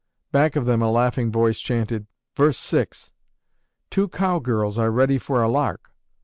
Back of them a laughing voice chanted, "Verse six." "Two cowgirls are ready for a lark.